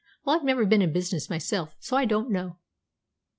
Well, I've never been in business myself, so I don't know.